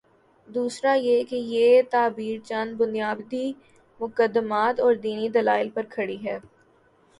دوسرا یہ کہ یہ تعبیر چند بنیادی مقدمات اوردینی دلائل پر کھڑی ہے۔